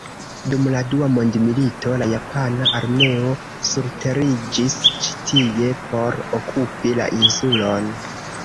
Dum la Dua Mondmilito la japana armeo surteriĝis ĉi tie por okupi la insulon.